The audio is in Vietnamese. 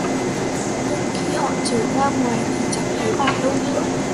Nhưng khi họ trở ra ngoài thì chẳng thấy bà ấy đâu nữa